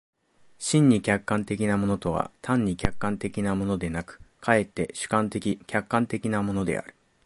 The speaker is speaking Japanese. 真に客観的なものとは単に客観的なものでなく、却って主観的・客観的なものである。